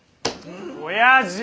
おやじ！